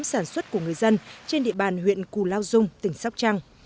sản xuất của người dân trên địa bàn huyện cù lao dung tỉnh sóc trăng